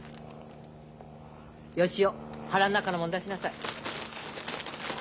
芳夫腹ん中のもの出しなさい。